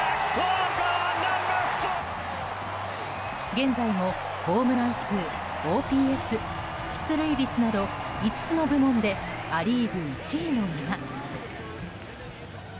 現在もホームラン数、ＯＰＳ出塁率など５つの部門でア・リーグ１位のまま。